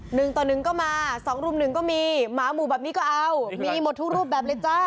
หนึ่งต่อหนึ่งก็มาสองรุ่มหนึ่งก็มีหมาหมู่แบบนี้ก็เอามีหมดทุกรูปแบบเลยจ้า